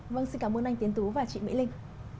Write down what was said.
vâng xin cảm ơn anh tiến tú và chị mỹ linh